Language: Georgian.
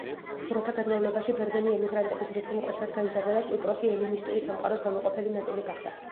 დროთა განმავლობაში ბერძენი ემიგრანტების რიცხვი მკვეთრად გაიზარდა და კვიპროსი ელინისტური სამყაროს განუყოფელი ნაწილი გახდა.